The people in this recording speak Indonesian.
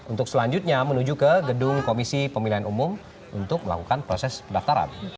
untuk selanjutnya menuju ke gedung komisi pemilihan umum untuk melakukan proses pendaftaran